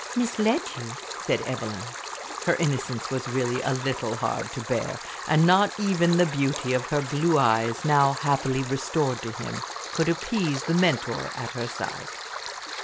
"Misled you?" said Evelyn. Her innocence was really a little hard to bear, and not even the beauty of her blue eyes, now happily restored to him, could appease the mentor at her side.